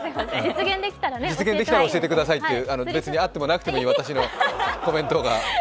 実現できたら教えてくださいって別にあってもなくてもいい私のコメントが。